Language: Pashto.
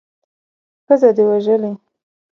ښځه دې وژلې.